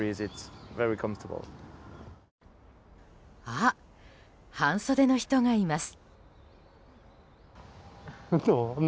あ、半袖の人がいます。